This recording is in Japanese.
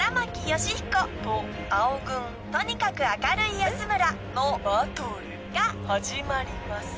慶彦と青軍とにかく明るい安村のバトルが始まります。